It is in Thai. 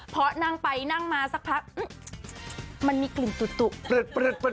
พอนั่งไปนั่งมาสักพักมันมีกลิ่นตุ๊ก